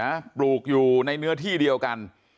อยู่สองหลังนะปลูกอยู่ในเนื้อที่เดียวกัน